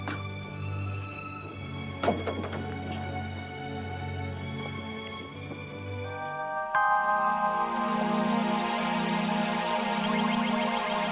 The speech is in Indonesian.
sampai jumpa lagi